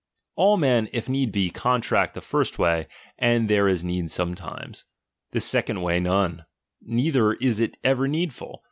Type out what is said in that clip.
All men, if need be, contract the first way, and there is need sometimes. This second Way, none ; neither is it ever needful.